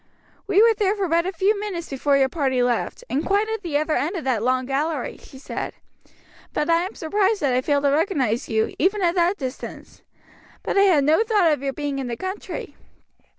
"We were there for but a few minutes before your party left; and quite at the other end of that long gallery," she said. "But I am surprised that I failed to recognize you, even at that distance. But I had no thought of your being in the country.